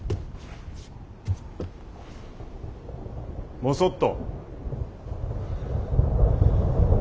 もそっと。